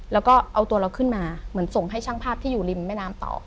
แล้วก็เอาตัวเราขึ้นมาเหมือนส่งให้ช่างภาพที่อยู่ริมแม่น้ำต่อ